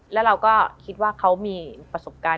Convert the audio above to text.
แล้วเราก็คิดว่าเขามีประสบการณ์